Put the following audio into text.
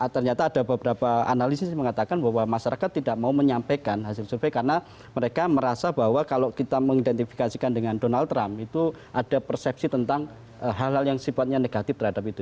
ternyata ada beberapa analisis mengatakan bahwa masyarakat tidak mau menyampaikan hasil survei karena mereka merasa bahwa kalau kita mengidentifikasikan dengan donald trump itu ada persepsi tentang hal hal yang sifatnya negatif terhadap itu